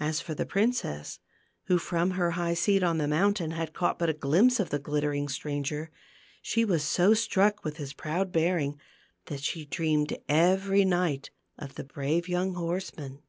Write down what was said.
As for the princess, who from her high seat on the mountain had caught but a glimpse of the glittering stranger, she was so struck with his proud bearing that she dreamed every night of the brave young horseman. 270 THE GLASS MOUNTAIN.